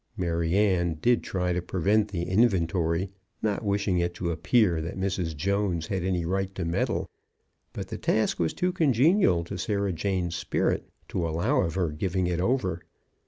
Maryanne did try to prevent the inventory, not wishing it to appear that Mrs. Jones had any right to meddle; but the task was too congenial to Sarah Jane's spirit to allow of her giving it over.